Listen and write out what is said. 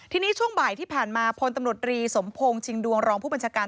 ทีนี้ช่วงบ่ายที่ผ่านมาพลตำรวจรีสมพงศ์ชิงดวงรองผู้บัญชาการ